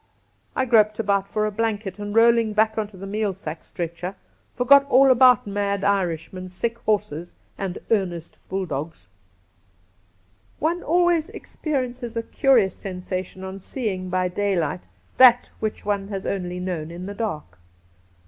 I groped about for a blanket, and, roll ing back into the meal sack stretcher, forgot all about mad Irishmen, sick horses, and earnest bulldogs. One always experiences a curious sensation on seeing by daylight that which one has only known in the dark.